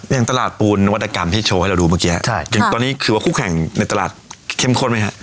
อย่างตลาดปูนนวัตกรรมที่โชว์ให้เราดูเมื่อกี้ตอนนี้คือว่าคู่แข่งในตลาดเข้มข้นไหมฮะ